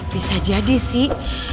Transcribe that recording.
bisa jadi sih